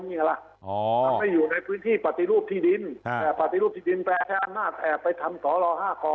มันไม่อยู่ในพื้นที่ปฏิรูปที่ดินแต่ปฏิรูปที่ดินแปลงมาแทบไปทำสร๕ค